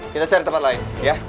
kita cari tempat lain